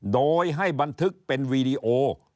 โดยให้บันทึกเป็นวีดีโอ